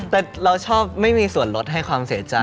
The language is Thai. แต่เราชอบไม่มีส่วนลดให้ความเสียใจ